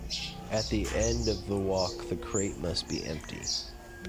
At the end of the walk the crate must be empty.